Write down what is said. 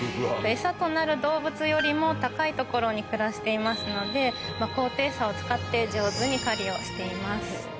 餌となる動物よりも高い所に暮らしていますので、高低差を使って上手に狩りをしています。